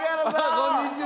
こんにちは！